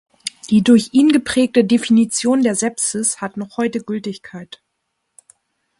Die durch ihn geprägte Definition der Sepsis hat noch heute Gültigkeit.